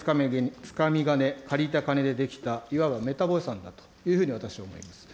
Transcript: つかみ金、借りた金で出来た、いわばメタボ予算だというふうに私は思います。